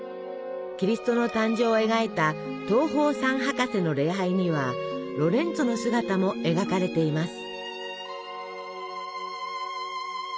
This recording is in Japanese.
キリストの誕生を描いた「東方三博士の礼拝」にはロレンツォの姿も描かれています。